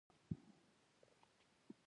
مېوې د افغانستان په طبیعت کې مهم رول لري.